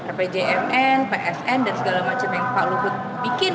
rpjmn psn dan segala macam yang pak luhut bikin